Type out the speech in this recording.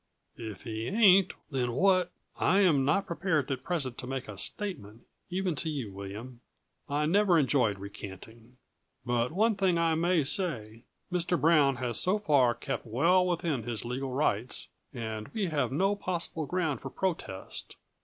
"If he ain't, then what " "I am not prepared at present to make a statement, even to you, William. I never enjoyed recanting. But one thing I may say. Mr. Brown has so far kept well within his legal rights, and we have no possible ground for protest.